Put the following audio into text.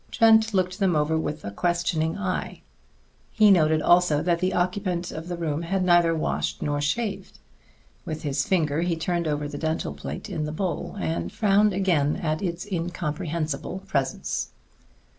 Trent looked them over with a questioning eye. He noted also that the occupant of the room had neither washed nor shaved. With his finger he turned over the dental plate in the bowl, and frowned again at its incomprehensible presence.